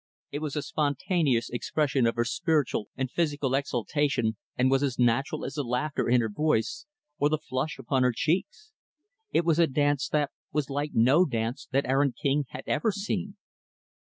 It was a spontaneous expression of her spiritual and physical exaltation and was as natural as the laughter in her voice or the flush upon her cheeks. It was a dance that was like no dance that Aaron King had ever seen.